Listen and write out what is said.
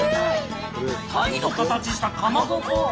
タイの形したかまぼこ？